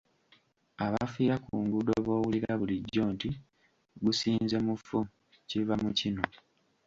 Abafiira ku nguudo b'owulira bulijjo nti; "Gusinze mufu", kiva mu kino.